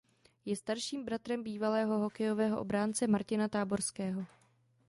Je starším bratrem bývalého hokejového obránce Martina Táborského.